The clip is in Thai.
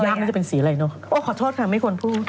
มันจะเป็นสีอะไรเนอะโอ้ขอโทษค่ะไม่ควรพูด